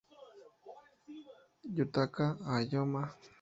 Yutaka Aoyama